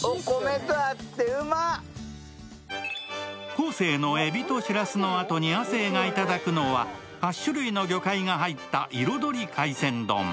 昴生のえびとしらすのあとに亜生がいただくのは８種類の魚介が入った彩り海鮮丼。